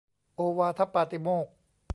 โอวาทปาติโมกข์